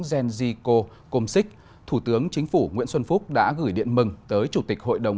zenziko komsic thủ tướng chính phủ nguyễn xuân phúc đã gửi điện mừng tới chủ tịch hội đồng